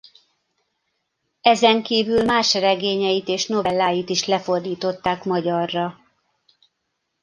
Ezenkívül más regényeit és novelláit is lefordították magyarra.